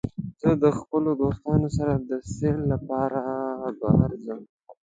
زه د خپلو دوستانو سره د سیل لپاره بهر ځم.